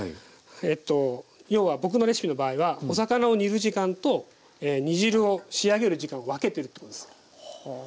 えっと要は僕のレシピの場合はお魚を煮る時間と煮汁を仕上げる時間を分けてるってことです。